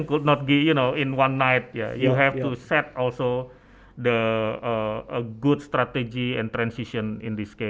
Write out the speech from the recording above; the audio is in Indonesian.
jadi pemerintah memahami tentangnya transisi itu penting